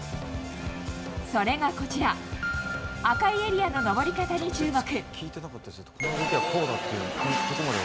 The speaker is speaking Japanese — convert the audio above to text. それがこちら、赤いエリアの登り方に注目。